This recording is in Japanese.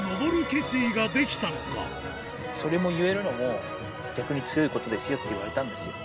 それも言えるのも、逆に強いことですよって言われたんですよ。